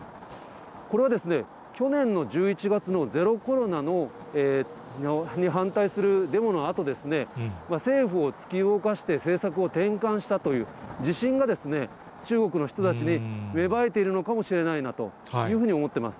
これはですね、去年の１１月のゼロコロナに反対するデモのあと、政府を突き動かして政策を転換したという自信が、中国の人たちに芽生えているのかもしれないなというふうに思っています。